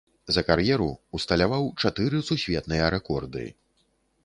За кар'еру усталяваў чатыры сусветныя рэкорды.